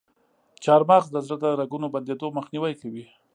چارمغز د زړه د رګونو بندیدو مخنیوی کوي.